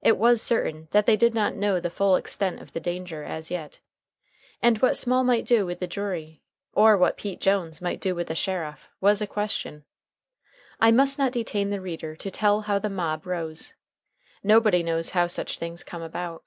It was certain that they did not know the full extent of the danger as yet. And what Small might do with a jury, or what Pete Jones might do with a sheriff, was a question. I must not detain the reader to tell how the mob rose. Nobody knows how such things come about.